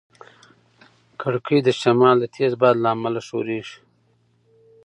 کړکۍ د شمال د تېز باد له امله ښورېږي.